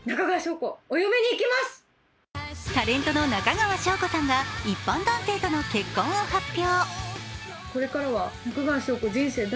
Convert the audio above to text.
タレントの中川翔子さんが一般男性との結婚を発表。